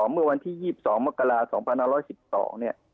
เมื่อวันที่๒๒มกราศาสตร์๒๐๑๒